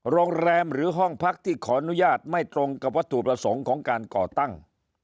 โรงแรมหรือห้องพักที่ขออนุญาตไม่ตรงกับวัตถุประสงค์ของการก่อตั้ง